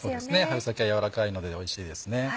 春先は柔らかいのでおいしいですね。